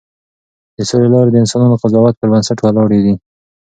د سولې لارې د انسانانه قضاوت پر بنسټ ولاړې دي.